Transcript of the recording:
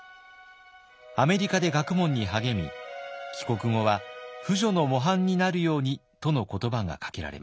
アメリカで学問に励み帰国後は婦女の模範になるようにとの言葉がかけられました。